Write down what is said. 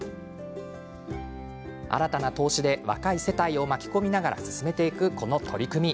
新たな投資で若い世帯を巻き込みながら進めていく取り組み。